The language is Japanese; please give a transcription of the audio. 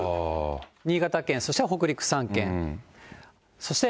新潟県、そして北陸３県。